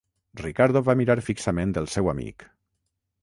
Ricardo va mirar fixament el seu amic.